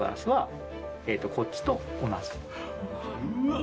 うわっ！